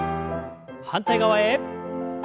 反対側へ。